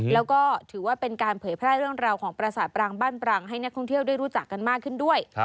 แล้วก็ถือว่าเป็นการเผยแพร่เรื่องราวของประสาทปรางบ้านปรังให้นักท่องเที่ยวได้รู้จักกันมากขึ้นด้วย